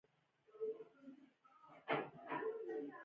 اتم لوست د شاه زمان د واکمنۍ تګلارې پېژندل دي.